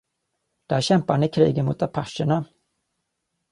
Där kämpade han i krigen mot apacherna.